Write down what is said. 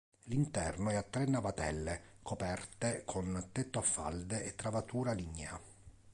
L'interno è a tre navatelle, coperte con tetto a falde, e travatura lignea.